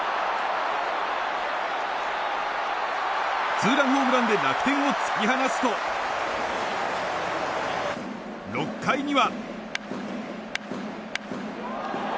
ツーランホームランで楽天を突き放すと６回には。